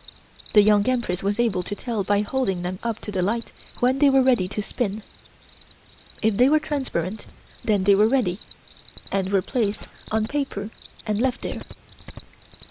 The Young Empress was able to tell by holding them up to the light when they were ready to spin. If they were transparent then they were ready, and were placed on paper and left there.